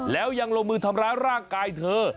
แล้วยังลงมือทำร้ายร่างกายเธอ